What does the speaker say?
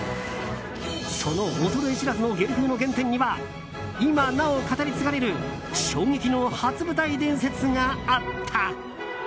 その衰え知らずの芸風の原点には今なお語り継がれる衝撃の初舞台伝説があった。